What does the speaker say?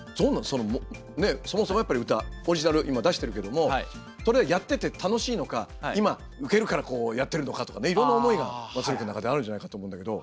そのそもそもやっぱり歌オリジナル今出してるけどもそれはやってて楽しいのか今ウケるからやってるのかとかねいろんな思いが松浦君の中であるんじゃないかと思うんだけど。